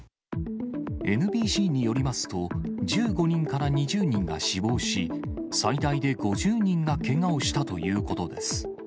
ＮＢＣによりますと、１５人から２０人が死亡し、最大で５０人がけがをしたということです。